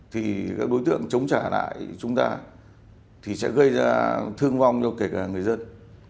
thì các đối tượng chống trả lại chúng ta thì sẽ gây ra thương vong cho kể cả người dân